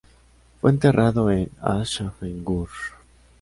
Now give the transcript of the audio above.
Fue enterrado en Aschaffenburg.